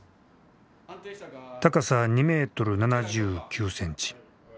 高さ２メートル７９センチ。